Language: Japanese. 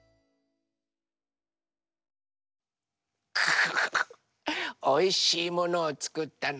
フフフおいしいものをつくったの。